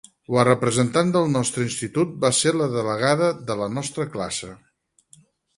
La representant del nostre institut va ser la delegada de la nostra classe.